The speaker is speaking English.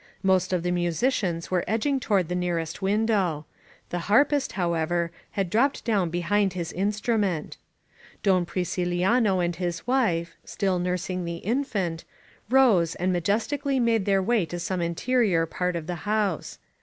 Most of the musicians were edging toward the nearest window; the harpist, however, had dropped down behind his instrument.' Don Priciliano and his wife, still nursing the infant, S99 INSURGENT MEXICO rose and majestically made their way to some interior part of the house.